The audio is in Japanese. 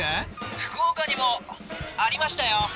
☎福岡にもありましたよ